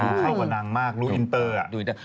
รู้เข้ากับนางมากรู้อินเตอร์อ่ะ